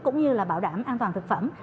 cũng như là bảo đảm an toàn thực phẩm